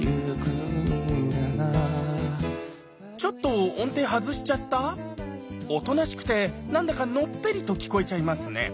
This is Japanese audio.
ちょっと音程外しちゃった⁉おとなしくてなんだかのっぺりと聴こえちゃいますね。